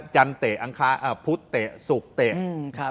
จันทร์เตะพุธเตะสุขเตะ